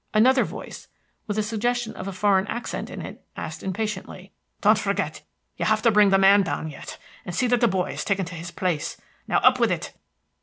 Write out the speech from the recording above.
another voice, with a suggestion of a foreign accent in it, asked impatiently. "Don't forget you have to bring the man down yet, and see that the boy is taken to his place. Now, up with it."